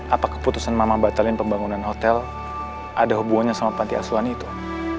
apa keputusan mama batalin pembangunan hotel ada hubungannya sama panti asuhan itu